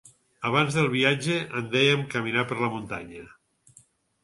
Abans del viatge en dèiem caminar per la muntanya.